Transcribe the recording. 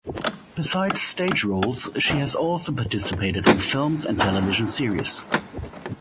Besides stage roles she has also participated on films and television series.